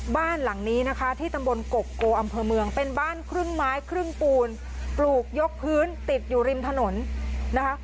บ้านหลังนี้นะคะที่ตำบลกกโกอำเภอเมืองเป็นบ้านครึ่งไม้ครึ่งปูนปลูกยกพื้นติดอยู่ริมถนนนะคะ